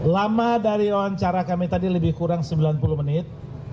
lama dari wawancara kami tadi lebih kurang sembilan puluh menit